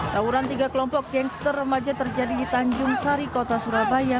tawuran tiga kelompok gangster remaja terjadi di tanjung sari kota surabaya